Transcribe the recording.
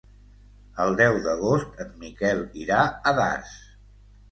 El deu d'agost en Miquel irà a Das.